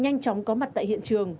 nhanh chóng có mặt tại hiện trường